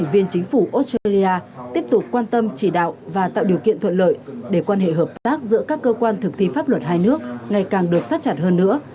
chính phủ australia tiếp tục quan tâm chỉ đạo và tạo điều kiện thuận lợi để quan hệ hợp tác giữa các cơ quan thực thi pháp luật hai nước ngày càng được thắt chặt hơn nữa